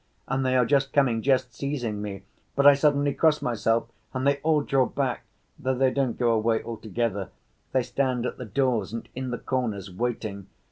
And they are just coming, just seizing me. But I suddenly cross myself and they all draw back, though they don't go away altogether, they stand at the doors and in the corners, waiting.